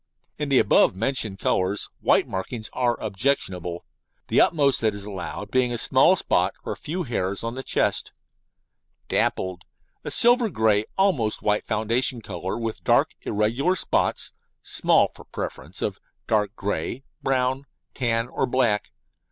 In the above mentioned colours white markings are objectionable. The utmost that is allowed being a small spot, or a few hairs, on the chest. Dappled: A silver grey to almost white foundation colour, with dark, irregular spots (small for preference) of dark grey, brown, tan, or black.